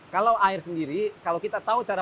kalau air sendiri kalau kita tahu cara